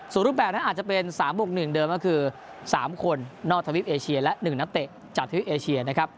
ส่วนรูปแบบนั้นอาจจะเป็น๓บวก๑เดิมก็คือ๓คนนอกทวิปเอเชียและ๑นักเตะจากทวิปเอเชียนะครับ